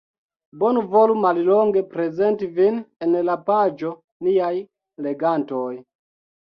Bonvolu mallonge prezenti vin en la paĝo Niaj legantoj.